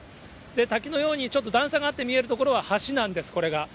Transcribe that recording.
滝のようにちょっと段差があって見える所は橋なんです、これが。